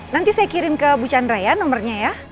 nanti saya kirim ke bu chandra ya nomornya ya